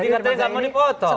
tadi katanya nggak mau dipotong